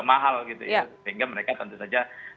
mahal sehingga mereka tentu saja